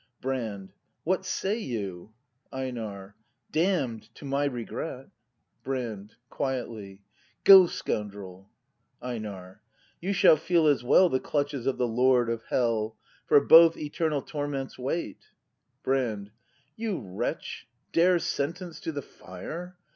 Brand. What say you ? Go, scoundrel! Einar. Damn'd, to my regret. Brand. [Quietly.] Einar. You shall feel as well The clutches of the Lord of hell; — For both, eternal torments wait. Brand. You, wretch, dare sentence to the Fire!